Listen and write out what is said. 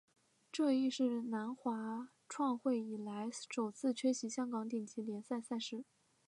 这亦是南华创会以来首次缺席香港顶级联赛赛事。